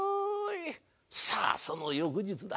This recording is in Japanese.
さあその翌日だ。